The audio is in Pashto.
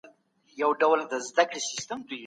د یو بل سره همکاري وکړئ.